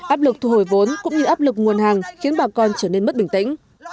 áp lực thu hồi vốn cũng như áp lực nguồn hàng khiến bà con trở nên mất bình tĩnh